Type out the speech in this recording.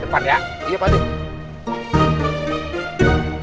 berhenti berhenti depan ya